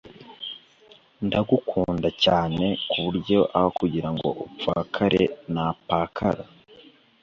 ndagukunda cyane kuburyo aho kugira ngo upfakare napakara